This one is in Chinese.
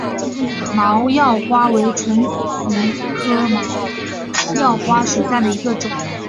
毛药花为唇形科毛药花属下的一个种。